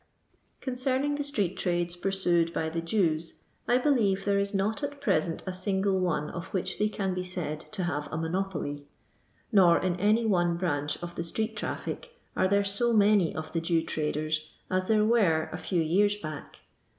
Concerning the street trades pursued hj the Jews, I believe there is not at present a single one of which they can be said to have a monopoly ; nor in any one branch of the street traffic are there so many of the Jew traders as there were a few years back.